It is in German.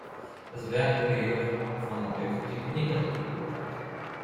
Das Werk wurde jedoch von der Kritik negativ beurteilt.